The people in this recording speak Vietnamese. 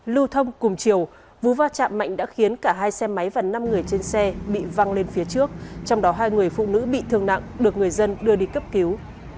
lưu thông cùng chiều vụ va chạm mạnh đã khiến cả hai xe máy và năm người trên xe bị văng lên phía trước trong đó hai người phụ nữ bị thương nặng được người dân đưa đi cấp cứu